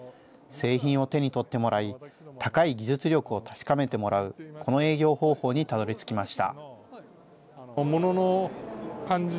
製品を手に取ってもらい、高い技術力を確かめてもらうこの営業方法にたどりつきました。